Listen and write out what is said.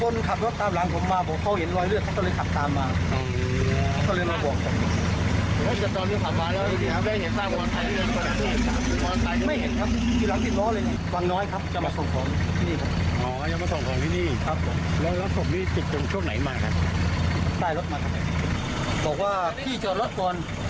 ได้รถมาทำไมบอกว่าพี่จอดรถก่อน